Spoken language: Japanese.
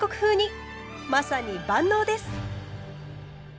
まさに万能です！